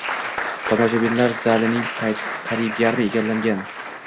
Tomoshabinlar zalining qariyb yarmini egallagan.